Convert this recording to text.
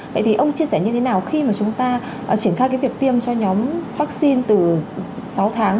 vậy thì ông chia sẻ như thế nào khi mà chúng ta triển khai cái việc tiêm cho nhóm vaccine từ sáu tháng